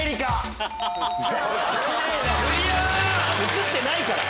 映ってないから。